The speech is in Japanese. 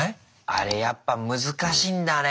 あれやっぱ難しいんだね